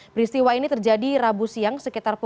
peristiwa ini terjadi rabu siang